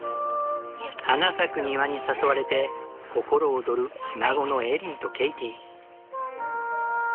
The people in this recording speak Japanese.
花咲く庭に誘われて心躍るひ孫のエリーとケイティ。